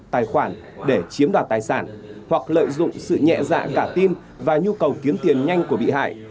tài khoản để chiếm đoạt tài sản hoặc lợi dụng sự nhẹ dạ cả tin và nhu cầu kiếm tiền nhanh của bị hại